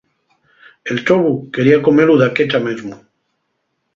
El ḷḷobu quería comelu daqueḷḷa mesmu.